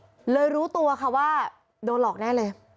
ก็เลยรู้ตัวค่ะว่าโดนหลอกแน่เลย